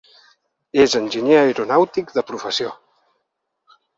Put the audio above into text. És enginyer aeronàutic de professió.